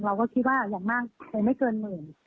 เราก็คิดว่าอย่างมากคงไม่เกินหมื่น